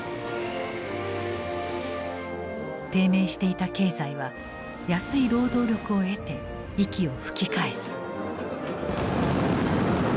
低迷していた経済は安い労働力を得て息を吹き返す。